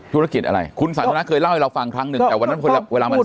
ธุรกิจอะไรคุณสาธารณะเคยเล่าให้เราฟังครั้งนึงแต่วันนั้นเวลามันสั้น